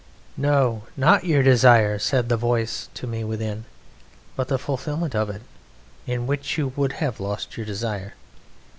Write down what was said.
"No, not your desire," said the voice to me within, "but the fulfilment of it, in which you would have lost your desire."